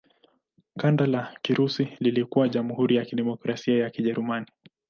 Kanda la Kirusi lilikuwa Jamhuri ya Kidemokrasia ya Kijerumani.